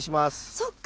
そっか。